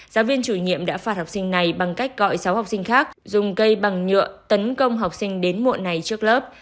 giáo viên chủ nhiệm đã phạt học sinh này bằng cách gọi sáu học sinh khác dùng cây bằng nhựa tấn công học sinh đến muộn này trước lớp